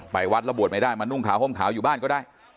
ไปวัดระบวนไม่ได้มานุ่งขาวผมขาวอยู่บ้านก็ได้